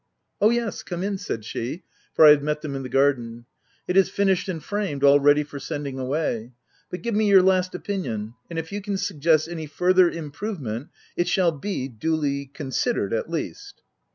" Oh yes ! come in," said she (for I had met them in the garden). M It is finished and framed, all ready for sending away ; but give me your last opinion, and, if you can suggest OF WILDFELL HALL. 145 any further improvement, it shall be — duly con sidered, at least.